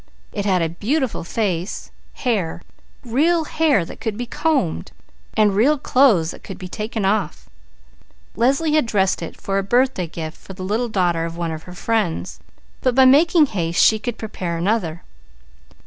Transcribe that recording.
It had a beautiful face, hair, real hair that could be combed, and real clothes that could be taken off. Leslie had dressed it for a birthday gift for the little daughter of one of her friends; but by making haste she could prepare another.